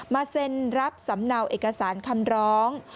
เซ็นรับสำเนาเอกสารคำร้อง